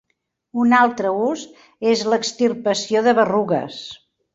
Un altre ús és l'extirpació de berrugues.